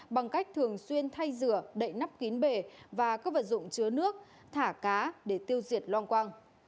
bằng cách thường xuyên thay rửa đậy nắp kín bể và các vật dụng chứa nước thả cá để tiêu diệt loang quang